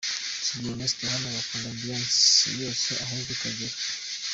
Sugira Ernest: Hano bakunda ambiance yose aho iva ikagera.